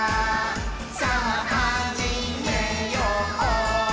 さぁはじめよう」